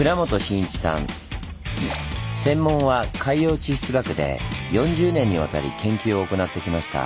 専門は海洋地質学で４０年にわたり研究を行ってきました。